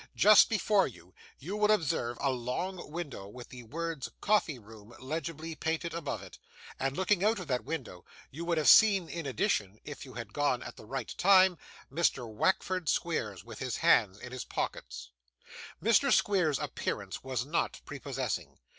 Just before you, you will observe a long window with the words 'coffee room' legibly painted above it; and looking out of that window, you would have seen in addition, if you had gone at the right time, Mr. Wackford Squeers with his hands in his pockets. Mr. Squeers's appearance was not prepossessing.